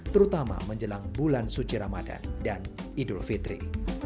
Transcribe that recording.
terutama menjelang bulan suci ramadan dan idul fitri